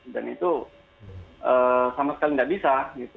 dan itu sama sekali tidak bisa